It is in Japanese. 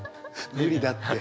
無理だって。